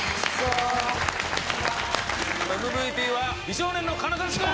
ＭＶＰは美少年の金指君！